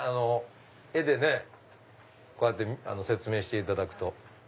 絵でこうやって説明していただくと。